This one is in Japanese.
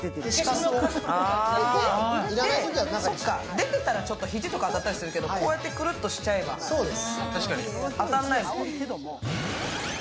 出てたらちょっと肘とか当たったりするけどこうやってクルッとしちゃえば当たらないっすもんね。